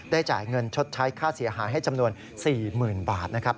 จ่ายเงินชดใช้ค่าเสียหายให้จำนวน๔๐๐๐บาทนะครับ